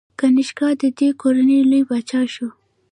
کنیشکا د دې کورنۍ لوی پاچا شو